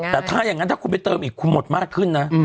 แต่ถ้าอย่างนั้นถ้าคุณไปเติมอีกคุณหมดมากขึ้นนะ